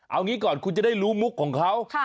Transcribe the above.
เอางี้ก่อนคุณจะได้รู้มุกของเขา